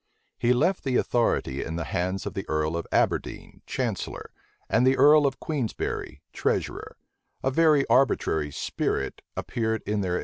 [*] He left the authority in the hands of the earl of Aberdeen, chancellor, and the earl of Queensberry, treasurer: a very arbitrary spirit appeared in their administration.